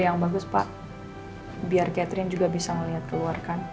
yang bagus pak biar catherine juga bisa melihat keluar kan